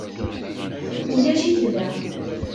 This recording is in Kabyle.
Ulac-it da.